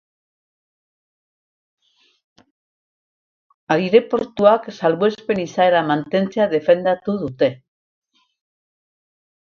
Aireportuak salbuespen izaera mantentzea defendatu dute.